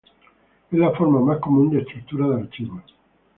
Es la forma más común de estructura de archivos.